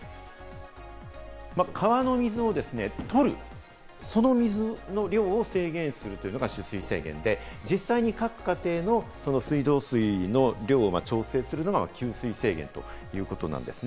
川の水をとる、その水の量を制限するというのが取水制限で、実際に各家庭の水道水の量を調整するのが給水制限ということなんです。